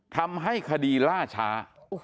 ทำให้คดีล่าช้า